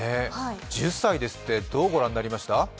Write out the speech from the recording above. １０歳ですって、どう御覧になりました？